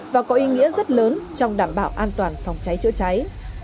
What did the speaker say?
và có ý nghĩa rất lớn trong đảm bảo an toàn phòng cháy chữa cháy